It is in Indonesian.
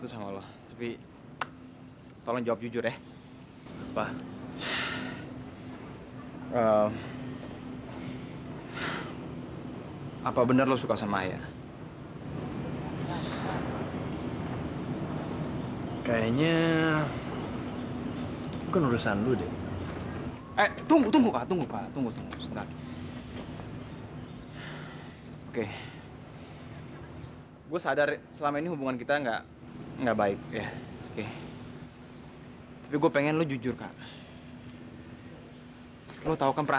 sampai jumpa di video selanjutnya